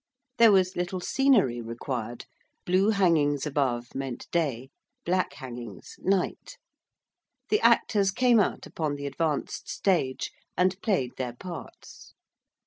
There was little scenery required: blue hangings above meant day: black hangings night: the actors came out upon the advanced stage and played their parts.